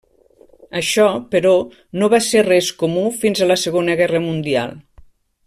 Això, però, no va ser res comú fins a la Segona Guerra Mundial.